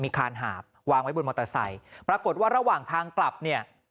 คานหาบวางไว้บนมอเตอร์ไซค์ปรากฏว่าระหว่างทางกลับเนี่ย